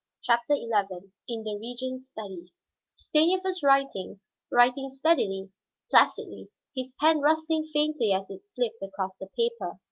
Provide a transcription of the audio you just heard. CHAPTER XI IN THE REGENT'S STUDY Stanief was writing, writing steadily, placidly, his pen rustling faintly as it slipped across the paper.